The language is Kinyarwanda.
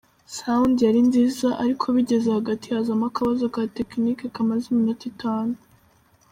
Sound yari nziza ariko bigeze hagati hazamo akabazo ka tekinike kamaze iminota itanu.